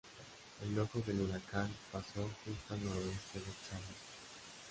El ojo del huracán pasó justo al noreste de Charleston.